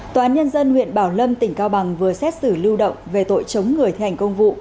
tòa án nhân dân huyện bảo lâm tỉnh cao bằng vừa xét xử lưu động về tội chống người thi hành công vụ